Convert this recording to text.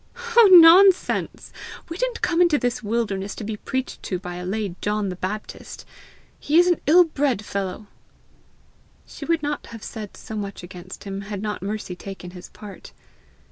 "Oh, nonsense! We didn't come into this wilderness to be preached to by a lay John the Baptist! He is an ill bred fellow!" She would not have said so much against him, had not Mercy taken his part.